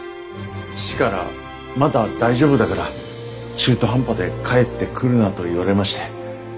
父から「まだ大丈夫だから中途半端で帰ってくるな」と言われまして。